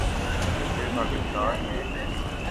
پورے پاکستان میں